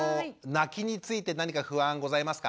泣きについて何か不安ございますか？